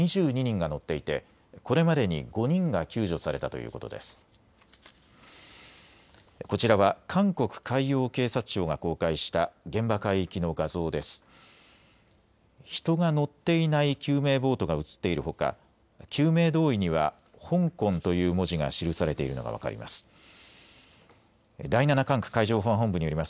人が乗っていない救命ボートが写っているほか救命胴衣には香港という文字が記されているのが分かります。